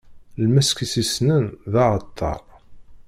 Lmesk i s-issnen, d aɛeṭṭaṛ.